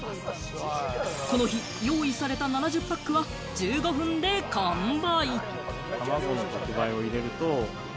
この日、用意された７０パックは１５分で完売。